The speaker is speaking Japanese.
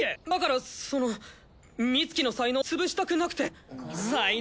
だからそのミツキの才能を潰したくなくて。